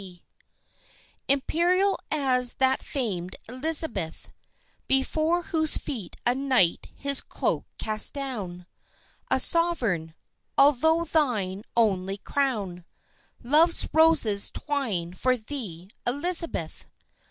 P. B. Imperial as that famed Elizabeth Before whose feet a knight his cloak cast down A sovereign altho' thine only crown Love's roses 'twine for thee, Elizabeth.